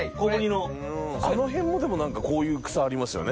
あの辺もこういう草ありますよね。